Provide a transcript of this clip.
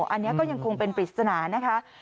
อันนี้ก็ยังคงเป็นปริศนานะคะ